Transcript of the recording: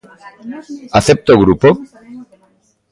¿Acepta o grupo?